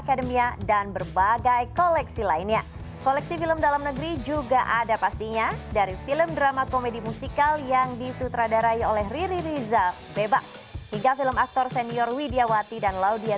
sampai jumpa di video selanjutnya